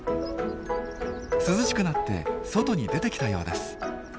涼しくなって外に出てきたようです。